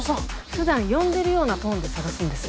ふだん呼んでるようなトーンで捜すんです。